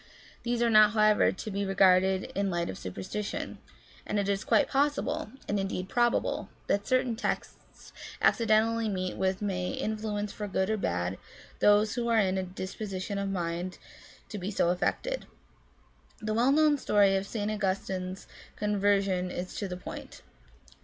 These are not, however, to be regarded in the light of superstition, and it is quite possible, and indeed probable, that certain texts accidentally met with may influence for good or bad those who are in a disposition of mind to be so affected. The well known story of St. Augustine's conver sion is to the point.